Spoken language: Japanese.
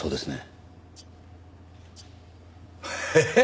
えっ？